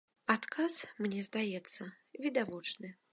Адказ, мне здаецца, відавочны.